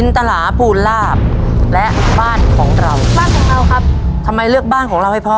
ทำไมเลือกบ้านของเราให้พ่อ